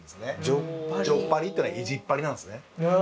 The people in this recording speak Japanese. じょっぱりっていうのは意地っ張りなんですね。